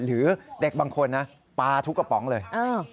หรือเด็กบางคนนะปลาทุกกระป๋องเลย